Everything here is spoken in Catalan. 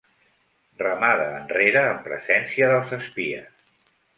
Remada enrere, en presència dels espies.